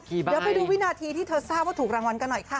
เดี๋ยวไปดูวินาทีที่เธอทราบว่าถูกรางวัลกันหน่อยค่ะ